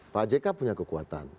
pak jk punya kekuatan